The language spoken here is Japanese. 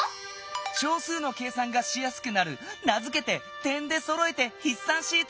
小数の計算がしやすくなる名づけて「点でそろえてひっ算シート」！